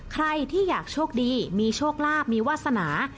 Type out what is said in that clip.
ใครที่อยากโชคดีมีโชคลาภมีวาสนา